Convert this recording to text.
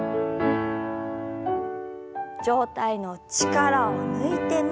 上体の力を抜いて前。